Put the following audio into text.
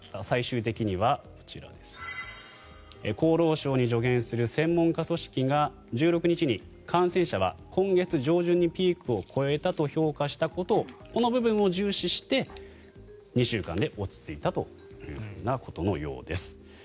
最終的には厚労省に助言する専門家組織が１６日に感染者は今月上旬にピークを越えたと評価したことこの部分を重視して２週間で落ち着いたということのようです。